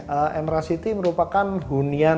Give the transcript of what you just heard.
emerald city merupakan hunian